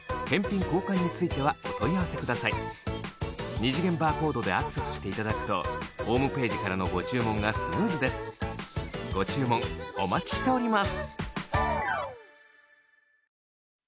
二次元バーコードでアクセスしていただくとホームページからのご注文がスムーズですご注文お待ちしております